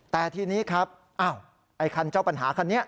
แต่ทีนี้ครับอ้าวไอ้คันเจ้าปัญหาคันนี้